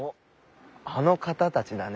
あの方たちだね。